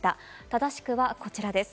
正しくはこちらです。